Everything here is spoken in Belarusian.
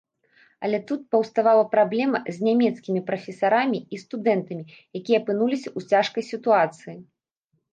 Але тут паўставала праблема з нямецкімі прафесарамі і студэнтамі, якія апынуліся ў цяжкай сітуацыі.